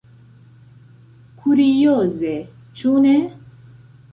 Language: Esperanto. Kurioze, ĉu ne?